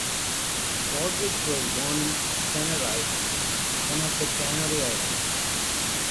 Rodriguez was born in Tenerife, one of the Canary Islands.